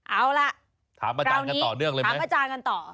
เอาล่ะคราวนี้ถามอาจารย์กันต่อ